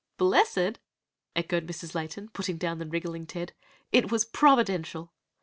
"Blessed!" echoed Mrs. Layton, putting down the wriggling Ted. "It was providential.